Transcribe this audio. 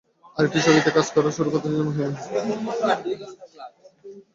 আরেকটি নতুন ছবিতে কাজ শুরু করতে যাচ্ছেন মাহিয়া মাহি, নাম প্রেমের বাঁধন।